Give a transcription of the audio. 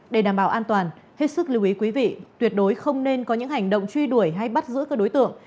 để đảm bảo an toàn hết sức lưu ý quý vị tuyệt đối không nên có những hành động truy đuổi hay bắt giữ các đối tượng